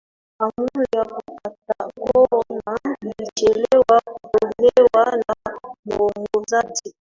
amri ya kukatakona ilichelewa kutolewa na muongozaji